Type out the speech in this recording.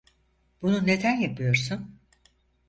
Bunu neden yapıyorsun?